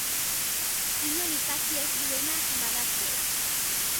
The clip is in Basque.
Inon ikasi ez duena badakiela.